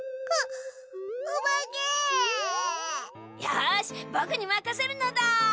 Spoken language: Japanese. よしぼくにまかせるのだ。